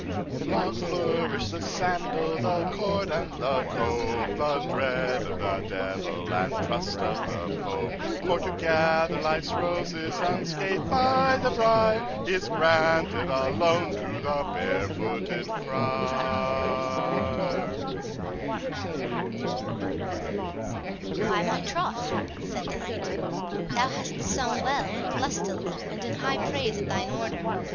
7. Long flourish the sandal, the cord, and the cope, The dread of the devil and trust of the Pope; For to gather life's roses, unscathed by the briar, Is granted alone to the Barefooted Friar. "By my troth," said the knight, "thou hast sung well and lustily, and in high praise of thine order.